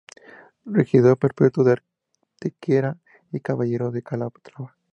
Regidor Perpetuo de Antequera y Caballero de Calatrava.